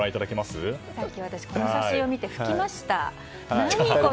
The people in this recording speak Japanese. さっき私この写真を見て吹きました。